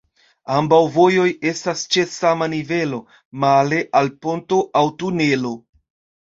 Ambaŭ vojoj estas ĉe sama nivelo, male al ponto aŭ tunelo.